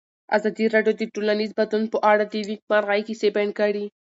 ازادي راډیو د ټولنیز بدلون په اړه د نېکمرغۍ کیسې بیان کړې.